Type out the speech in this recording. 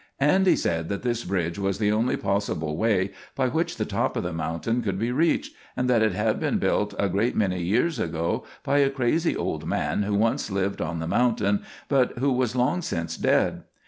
Andy said that this bridge was the only possible way by which the top of the mountain could be reached, and that it had been built a great many years ago by a crazy old man who once lived on the mountain, but who was long since dead.